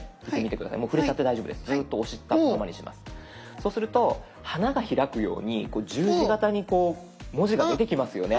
そうすると花が開くように十字形にこう文字が出てきますよね。